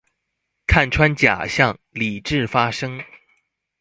看穿假象、理智發聲